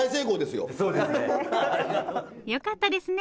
よかったですね